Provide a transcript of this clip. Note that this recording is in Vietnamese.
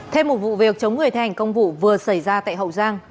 thêm một vụ việc chống người thi hành công vụ vừa xảy ra tại hậu giang